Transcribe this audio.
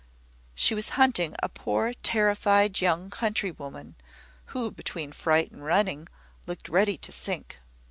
She was hunting a poor terrified young countrywoman, who, between fright and running, looked ready to sink.